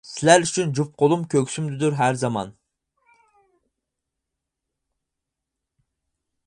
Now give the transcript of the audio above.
سىلەر ئۈچۈن جۈپ قولۇم، كۆكسۈمدىدۇر ھەر زامان.